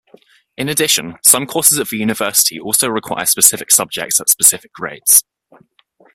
In addition, some courses at the university also require specific subjects at specific grades.